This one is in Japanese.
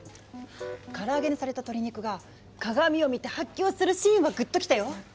から揚げにされた鶏肉が鏡を見て発狂するシーンはグッときたよ。